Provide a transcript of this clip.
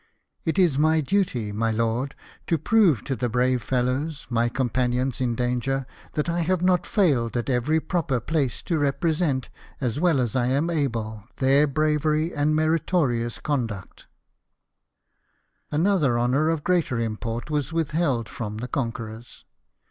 It is my duty, my lord, to prove to the brave fellows, my companions in danger, that I have not failed at every proper place to represent, as well as I am able their bravery and meritorious conduct." DEATH OF SIM WILLIAM HAMILTON. 269 Another honour of greater import was withheld from the conquerors.